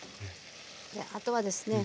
あとはですね